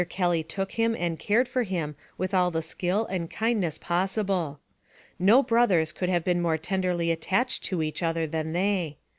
Kelly took him and cared for him with all the skill and kindness possible. No brothers could have been more tenderly attached to each other than they.